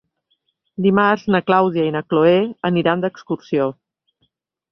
Dimarts na Clàudia i na Cloè aniran d'excursió.